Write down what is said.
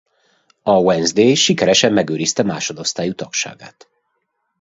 A Wednesday sikeresen megőrizte másodosztályú tagságát.